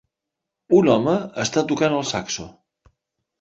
Un home està tocant el saxo.